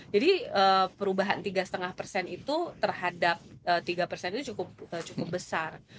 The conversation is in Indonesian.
jadi perubahan tiga lima itu terhadap tiga itu cukup besar